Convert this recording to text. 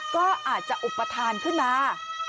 ก็อาจจะอุปทานขึ้นมา